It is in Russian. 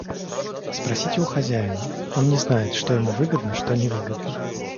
Спросите у хозяина, — он не знает, что ему выгодно, что невыгодно.